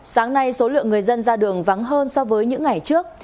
sáng nay số lượng người dân ra đường vắng hơn so với những ngày trước